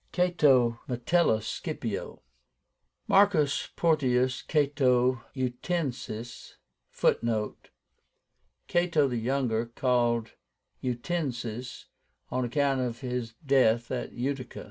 CATO. METELLUS SCIPIO. MARCUS PORTIUS CATO UTICENSIS (Footnote: Cato the Younger, called UTICENSIS on account of his death at Utica.)